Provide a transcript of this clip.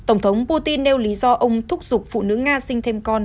ông putin nêu lý do ông thúc giục phụ nữ nga sinh thêm con